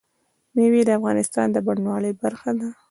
مېوې د افغانستان د بڼوالۍ برخه ده.